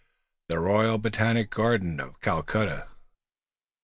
the Royal Botanic Garden of Calcutta.